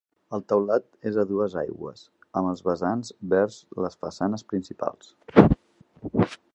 El teulat és a dues aigües amb els vessants vers les façanes principals.